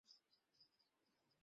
Sir, অতীতটাকে অতীত হতে দিন।